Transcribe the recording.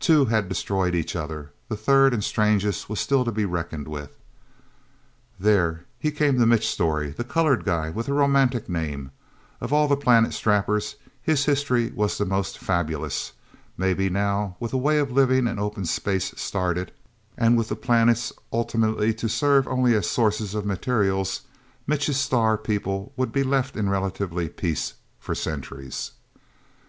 Two had destroyed each other. The third and strangest was still to be reckoned with... There, he came to Mitch Storey, the colored guy with the romantic name. Of all the Planet Strappers, his history was the most fabulous. Maybe, now, with a way of living in open space started, and with the planets ultimately to serve only as sources of materials, Mitch's star people would be left in relative peace for centuries.